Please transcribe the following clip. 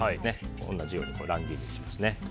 同じように乱切りにします。